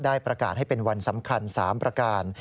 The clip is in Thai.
ประกาศให้เป็นวันสำคัญ๓ประการ